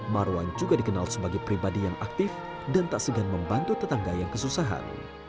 marwan juga dikenal sebagai pribadi yang aktif dan tak segan membantu tetangga yang kesusahan